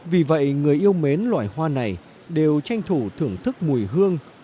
vì vậy người yêu mến loài hoa này đều tranh thủ thưởng thức mùi hương